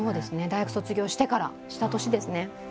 大学卒業してからした年ですね。